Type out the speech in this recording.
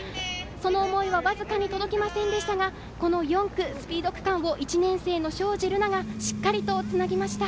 その思いはわずかに届きませんでしたが４区、スピード区間を１年生の正司瑠奈がしっかりとつなぎました。